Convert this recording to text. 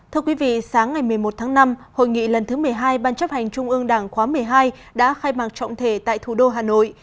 hôm một mươi hai ban chấp hành trung ương đảng khóa một mươi hai đã khai mạc trọng thể tại thủ đô hà nội